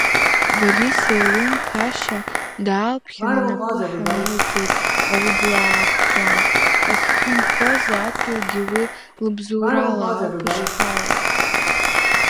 Вали Селым-ԥашьа даалԥхьан инапы ҳанылҵеит аублаақуа, ҳазқунхоз адгьылгьы уи лыбзоурала ауп ишҳауз.